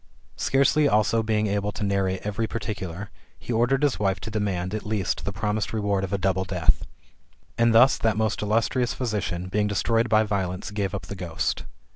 Scarcely also being able to narrate every particular, he ordered his wife to demand, at least, the promised reward of a double death.^^ And thus that most illustrious physician, being destroyed by violence, gave up the ghost.